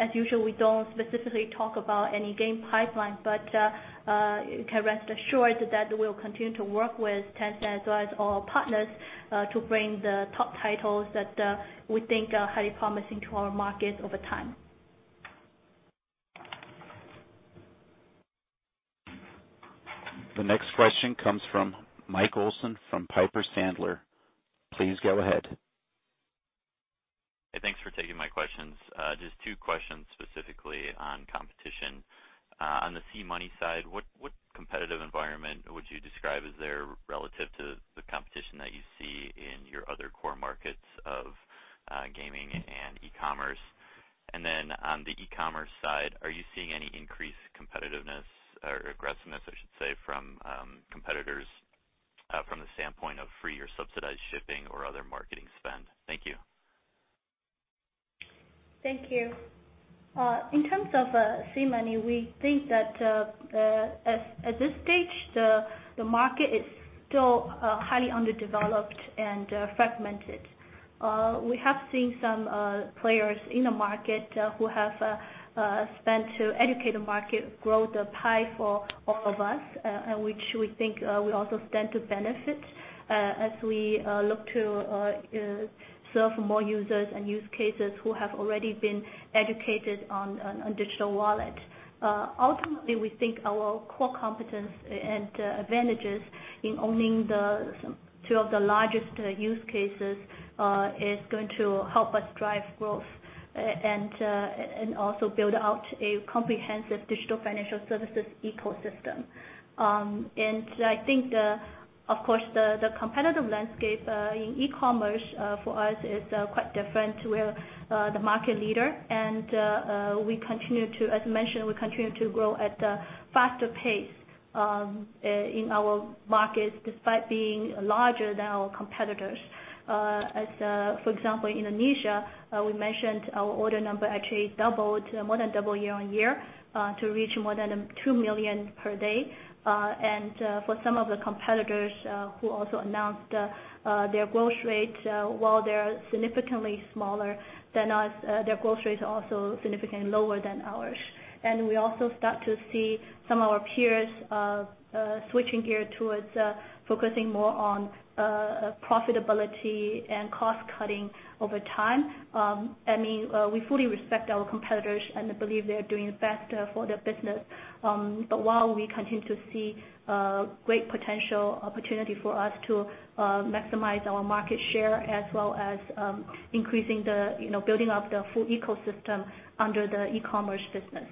As usual, we don't specifically talk about any game pipeline, but you can rest assured that we'll continue to work with Tencent as well as all partners to bring the top titles that we think are highly promising to our markets over time. The next question comes from Michael Olson from Piper Sandler. Please go ahead. Hey, thanks for taking my questions. Just two questions specifically on competition. On the SeaMoney side, what competitive environment would you describe is there relative to the competition that you see in your other core markets of gaming and e-commerce? Then on the e-commerce side, are you seeing any increased competitiveness or aggressiveness, I should say, from competitors from the standpoint of free or subsidized shipping or other marketing spend? Thank you. Thank you. In terms of SeaMoney, we think that at this stage, the market is still highly underdeveloped and fragmented. We have seen some players in the market who have spent to educate the market, grow the pie for all of us, which we think we also stand to benefit as we look to serve more users and use cases who have already been educated on digital wallet. Ultimately, we think our core competence and advantages in owning two of the largest use cases is going to help us drive growth and also build out a comprehensive digital financial services ecosystem. I think, of course, the competitive landscape in e-commerce for us is quite different. We are the market leader, and as mentioned, we continue to grow at a faster pace in our markets despite being larger than our competitors. For example, Indonesia, we mentioned our order number actually more than doubled year-on-year to reach more than 2 million per day. For some of the competitors who also announced their growth rate, while they're significantly smaller than us, their growth rate is also significantly lower than ours. We also start to see some of our peers switching gear towards focusing more on profitability and cost-cutting over time. We fully respect our competitors and believe they are doing their best for their business. While we continue to see great potential opportunity for us to maximize our market share, as well as building up the full ecosystem under the e-commerce business.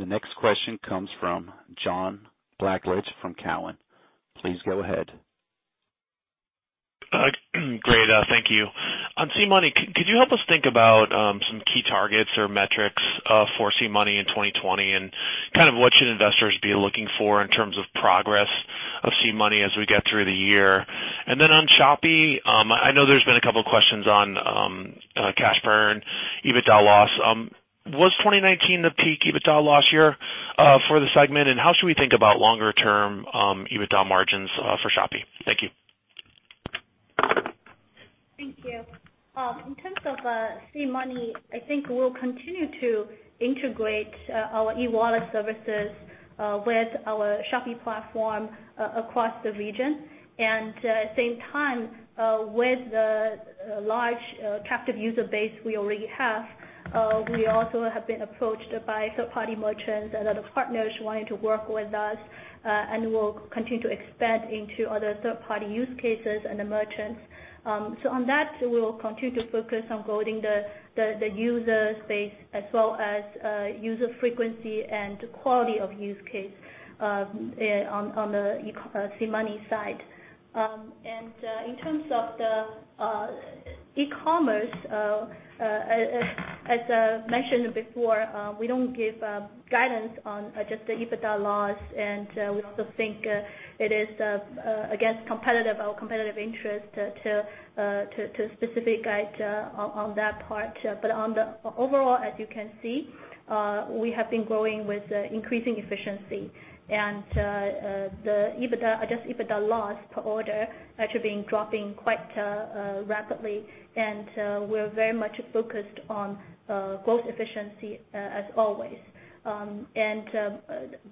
The next question comes from John Blackledge from Cowen. Please go ahead. Great. Thank you. On SeaMoney, could you help us think about some key targets or metrics for SeaMoney in 2020, what should investors be looking for in terms of progress of SeaMoney as we get through the year? On Shopee, I know there's been a couple of questions on cash burn, EBITDA loss. Was 2019 the peak EBITDA loss year for the segment, how should we think about longer-term EBITDA margins for Shopee? Thank you. Thank you. In terms of SeaMoney, I think we'll continue to integrate our e-wallet services with our Shopee platform across the region. At the same time, with the large captive user base we already have, we also have been approached by third-party merchants and other partners wanting to work with us, and we'll continue to expand into other third-party use cases and the merchants. On that, we will continue to focus on growing the user space as well as user frequency and quality of use case on the SeaMoney side. In terms of the e-commerce, as I mentioned before, we don't give guidance on just the EBITDA loss, and we also think it is against our competitive interest to specific guide on that part. Overall, as you can see, we have been growing with increasing efficiency. The adjusted EBITDA loss per order actually been dropping quite rapidly, and we're very much focused on growth efficiency as always. The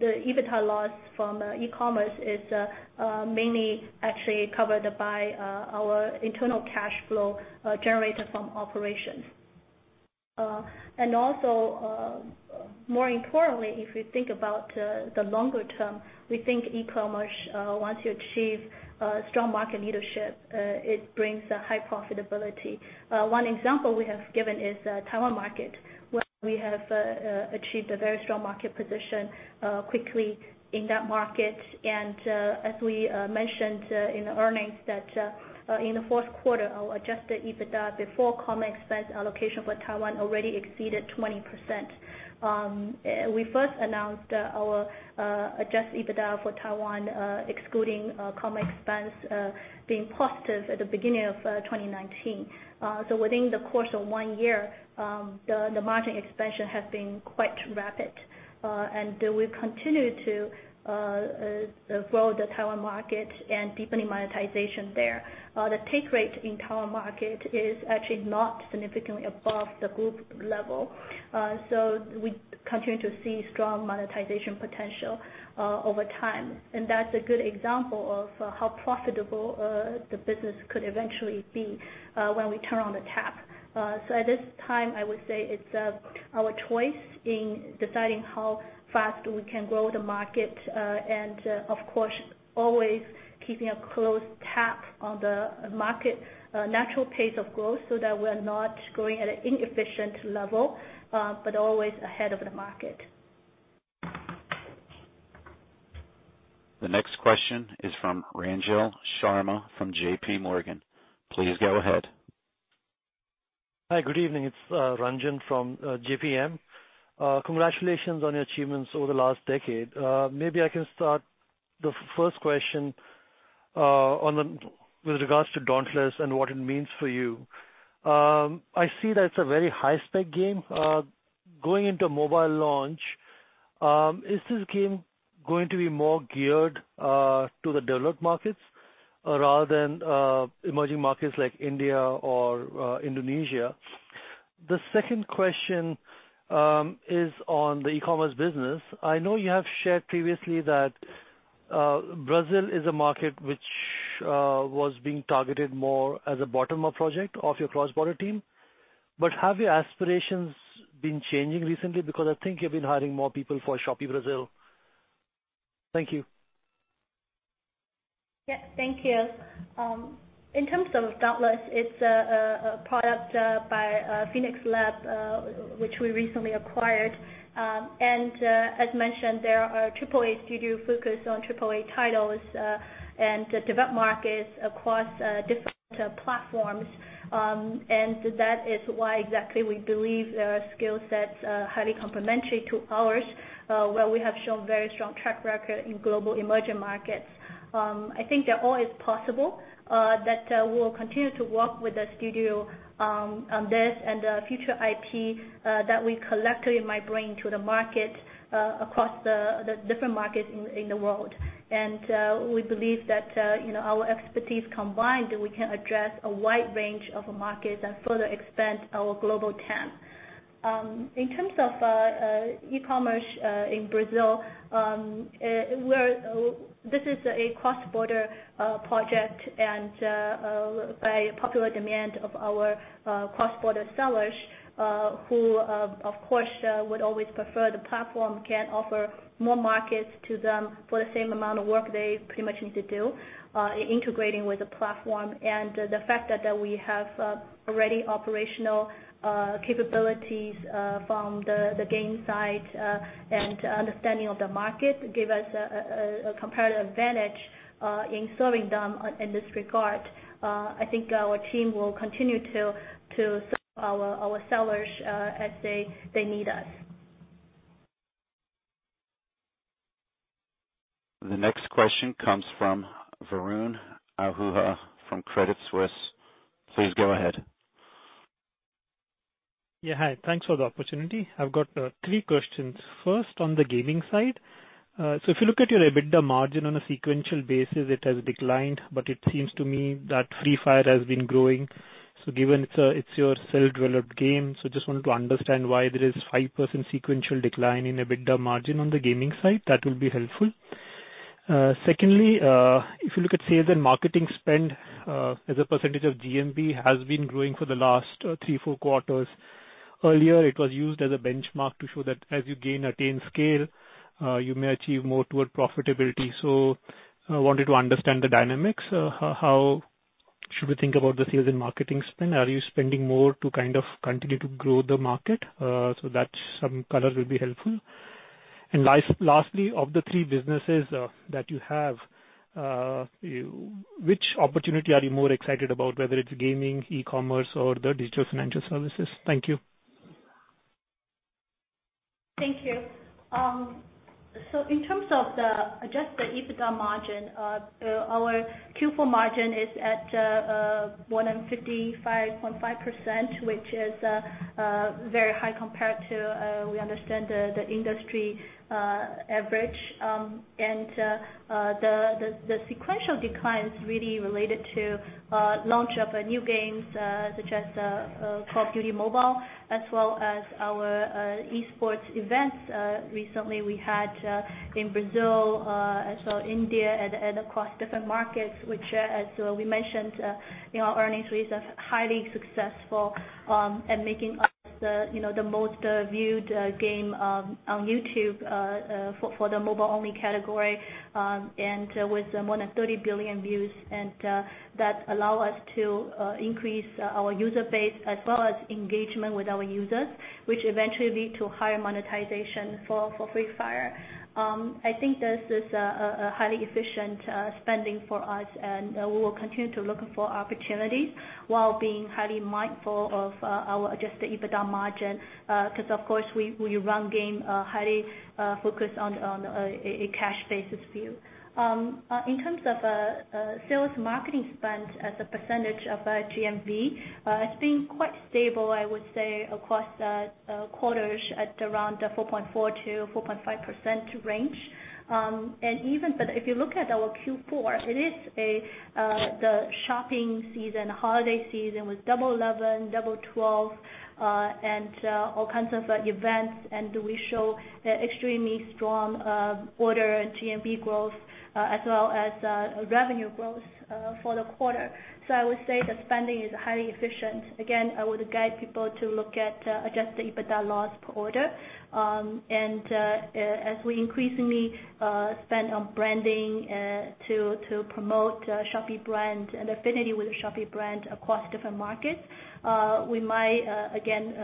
EBITDA loss from e-commerce is mainly actually covered by our internal cash flow generated from operations. More importantly, if we think about the longer term, we think e-commerce, once you achieve strong market leadership, it brings a high profitability. One example we have given is the Taiwan market, where we have achieved a very strong market position quickly in that market. As we mentioned in the earnings, that in the fourth quarter, our adjusted EBITDA before common expense allocation for Taiwan already exceeded 20%. We first announced our adjusted EBITDA for Taiwan, excluding common expense, being positive at the beginning of 2019. Within the course of one year, the margin expansion has been quite rapid. We've continued to grow the Taiwan market and deepening monetization there. The take rate in Taiwan market is actually not significantly above the group level. We continue to see strong monetization potential over time, and that's a good example of how profitable the business could eventually be when we turn on the tap. At this time, I would say it's our choice in deciding how fast we can grow the market. Of course, always keeping a close tap on the market natural pace of growth so that we're not growing at an inefficient level, but always ahead of the market. The next question is from Ranjan Sharma from JP Morgan. Please go ahead. Hi, good evening. It's Ranjan from JPM. Congratulations on your achievements over the last decade. Maybe I can start the first question with regards to Dauntless and what it means for you. I see that it's a very high-spec game. Going into a mobile launch. Is this game going to be more geared to the developed markets rather than emerging markets like India or Indonesia? The second question is on the e-commerce business. I know you have shared previously that Brazil is a market which was being targeted more as a bottom-up project of your cross-border team. Have your aspirations been changing recently? I think you've been hiring more people for Shopee Brazil. Thank you. Yeah, thank you. In terms of Dauntless, it's a product by Phoenix Labs, which we recently acquired. As mentioned, they are a AAA studio focused on AAA titles and developed markets across different platforms. That is why exactly we believe their skill set's highly complementary to ours, where we have shown very strong track record in global emerging markets. I think that all is possible, that we will continue to work with the studio on this and future IP that we collectively might bring to the market across the different markets in the world. We believe that our expertise combined, we can address a wide range of markets and further expand our global TAM. In terms of e-commerce in Brazil, this is a cross-border project and by popular demand of our cross-border sellers who, of course, would always prefer the platform can offer more markets to them for the same amount of work they pretty much need to do integrating with the platform. The fact that we have already operational capabilities from the game side and understanding of the market give us a comparative advantage in serving them in this regard. I think our team will continue to serve our sellers as they need us. The next question comes from Varun Ahuja from Credit Suisse. Please go ahead. Hi. Thanks for the opportunity. I've got three questions. First, on the gaming side. If you look at your EBITDA margin on a sequential basis, it has declined, but it seems to me that Free Fire has been growing. Given it's your self-developed game, just wanted to understand why there is 5% sequential decline in EBITDA margin on the gaming side. That will be helpful. Secondly, if you look at sales and marketing spend as a percentage of GMV has been growing for the last three, four quarters. Earlier, it was used as a benchmark to show that as you gain attained scale, you may achieve more toward profitability. I wanted to understand the dynamics. How should we think about the sales and marketing spend? Are you spending more to kind of continue to grow the market? That, some color will be helpful. Lastly, of the three businesses that you have, which opportunity are you more excited about, whether it's gaming, e-commerce or the digital financial services? Thank you. Thank you. In terms of the adjusted EBITDA margin, our Q4 margin is at more than 55.5%, which is very high compared to, we understand, the industry average. The sequential decline is really related to launch of new games such as Call of Duty: Mobile, as well as our esports events recently we had in Brazil, as well India and across different markets, which as we mentioned in our earnings release, are highly successful and making us the most viewed game on YouTube for the mobile-only category and with more than 30 billion views. That allow us to increase our user base as well as engagement with our users, which eventually lead to higher monetization for Free Fire. I think this is a highly efficient spending for us. We will continue to look for opportunities while being highly mindful of our adjusted EBITDA margin because, of course, we run game highly focused on a cash basis view. In terms of sales marketing spend as a percentage of GMV, it's been quite stable, I would say, across quarters at around the 4.4%-4.5% range. Even if you look at our Q4, it is the shopping season, holiday season with Double 11, Double 12, and all kinds of events. We show extremely strong order and GMV growth as well as revenue growth for the quarter. I would say the spending is highly efficient. Again, I would guide people to look at adjusted EBITDA loss per order. As we increasingly spend on branding to promote Shopee brand and affinity with the Shopee brand across different markets, we might again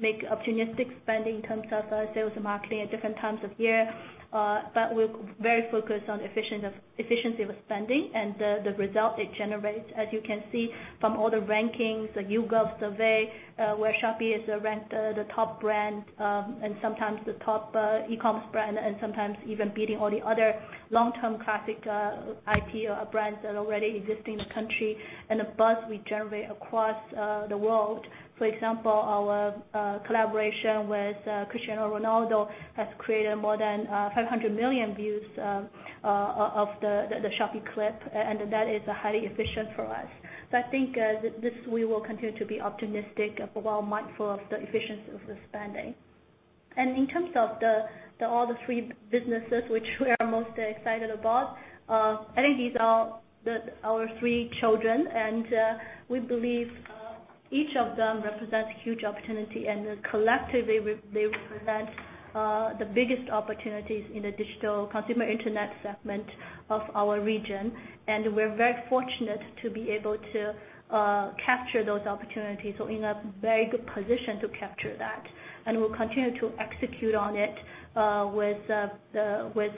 make opportunistic spending in terms of sales and marketing at different times of year. We're very focused on efficiency with spending and the result it generates. As you can see from all the rankings, the YouGov survey where Shopee is ranked the top brand and sometimes the top e-commerce brand and sometimes even beating all the other long-term classic IP brands that already exist in the country and the buzz we generate across the world. For example, our collaboration with Cristiano Ronaldo has created more than 500 million views of the Shopee clip, and that is highly efficient for us. I think this we will continue to be optimistic while mindful of the efficiency of the spending. In terms of all the three businesses which we are most excited about, I think these are our three children, and we believe each of them represents huge opportunity and collectively they represent the biggest opportunities in the digital consumer internet segment of our region. We're very fortunate to be able to capture those opportunities, so we're in a very good position to capture that, and we'll continue to execute on it with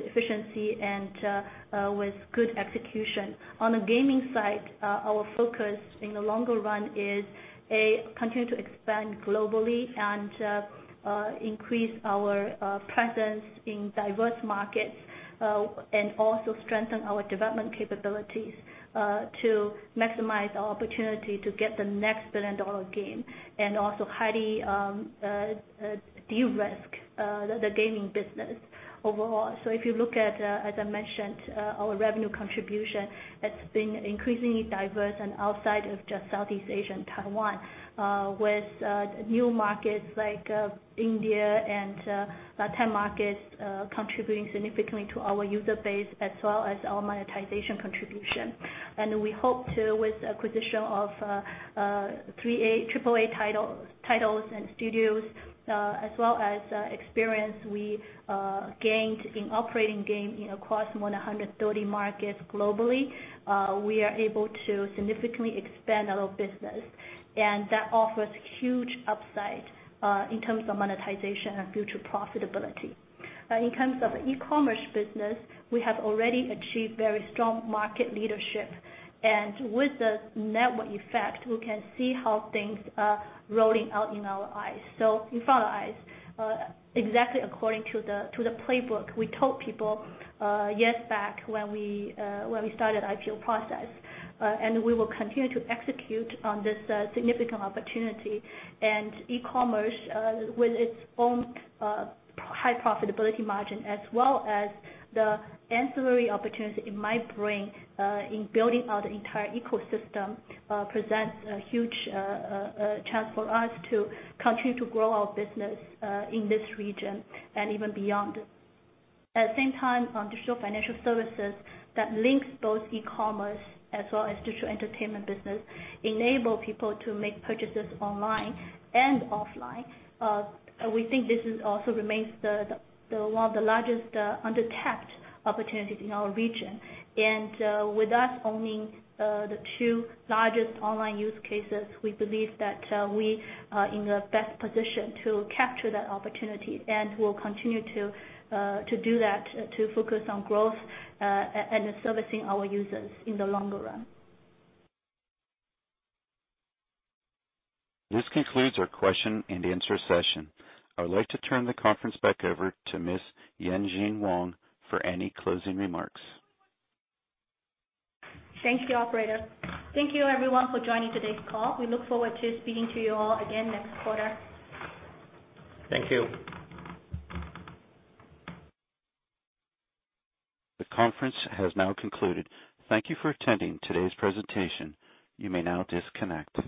efficiency and with good execution. On the gaming side, our focus in the longer run is, A, continue to expand globally and increase our presence in diverse markets, and also strengthen our development capabilities to maximize our opportunity to get the next billion-dollar game, and also highly de-risk the gaming business overall. If you look at, as I mentioned, our revenue contribution, it's been increasingly diverse and outside of just Southeast Asia and Taiwan, with new markets like India and Latin markets contributing significantly to our user base as well as our monetization contribution. We hope to, with acquisition of AAA titles and studios as well as experience we gained in operating game across more than 130 markets globally, we are able to significantly expand our business. That offers huge upside in terms of monetization and future profitability. In terms of e-commerce business, we have already achieved very strong market leadership. With the network effect, we can see how things are rolling out in our eyes. In front of our eyes, exactly according to the playbook we told people years back when we started the IPO process. We will continue to execute on this significant opportunity. E-commerce with its own high profitability margin as well as the ancillary opportunity it might bring in building out the entire ecosystem, presents a huge chance for us to continue to grow our business in this region and even beyond. At the same time, on digital financial services that links both e-commerce as well as digital entertainment business, enable people to make purchases online and offline. We think this also remains one of the largest untapped opportunities in our region. With us owning the two largest online use cases, we believe that we are in the best position to capture that opportunity, and we'll continue to do that, to focus on growth, and servicing our users in the longer run. This concludes our question and answer session. I would like to turn the conference back over to Ms. Yanjun Wang for any closing remarks. Thanks, operator. Thank you everyone for joining today's call. We look forward to speaking to you all again next quarter. Thank you. The conference has now concluded. Thank you for attending today's presentation. You may now disconnect.